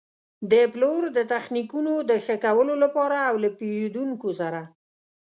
د پلور د تخنیکونو د ښه کولو لپاره او له پېرېدونکو سره.